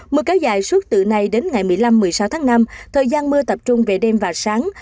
mưa kéo dài suốt từ nay đến ngày một mươi năm một mươi sáu tháng năm thời gian mưa tập trung về đêm và sáng